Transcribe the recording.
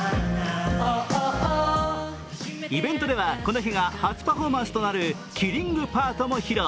イベントではこの日が初パフォーマンスとなる「ＫＩＬＬＩＮＧＰＡＲＴ」も披露。